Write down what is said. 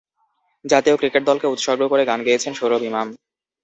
জাতীয় ক্রিকেট দলকে উৎসর্গ করে গান করেছেন সৌরভ ইমাম।